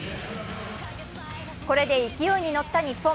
これで勢いに乗った日本。